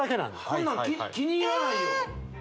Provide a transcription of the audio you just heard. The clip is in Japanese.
こんなん気にならないよ